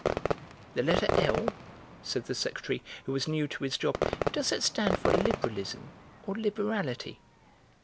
"The letter L," said the secretary, who was new to his job; "does that stand for Liberalism or liberality?"